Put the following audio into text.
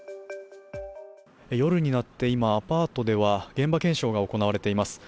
夜になって今、アパートでは現場検証が行われています。